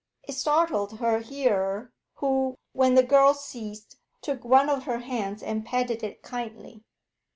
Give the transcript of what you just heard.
It startled her hearer, who, when the girl ceased, took one of her hands and patted it kindly.